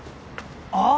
あっ！